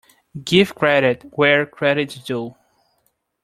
Give credit where credit is due.